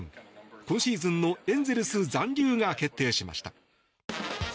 今シーズンのエンゼルス残留が決定しました。